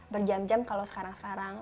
berjam jam kalau sekarang sekarang